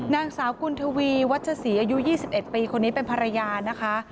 นางสาวกุณทวีวัชศรีอายุ๒๑ปีคนนี้เป็นภรรยานะคะ